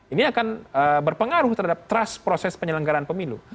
ini akan berpengaruh terhadap trust proses penyelenggaraan pemilu